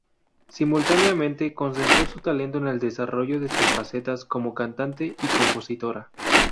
Simultáneamente, concentró su talento en el desarrollo de sus facetas como cantante y compositora.